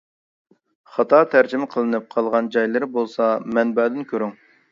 خاتا تەرجىمە قىلىنىپ قالغان جايلىرى بولسا مەنبەدىن كۆرۈڭ!